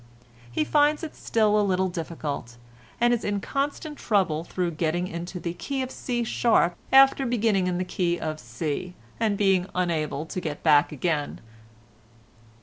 He finds it still a little difficult, and is in constant trouble through getting into the key of C sharp after beginning in the key of C and being unable to get back again.